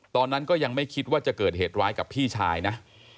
ตอนนั้นก็ยังไม่คิดว่าจะเกิดเหตุร้ายกับพี่ชายนะ